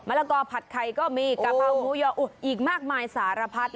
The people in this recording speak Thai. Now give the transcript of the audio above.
ละกอผัดไข่ก็มีกะเพราหมูยออุอีกมากมายสารพัด